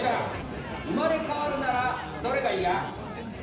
生まれかわるならどれがイヤ？